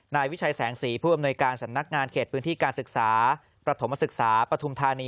นายวิชัยแสงสีผู้อำนวยการสำนักงานเขตพื้นที่การศึกษาประถมศึกษาปฐุมธานี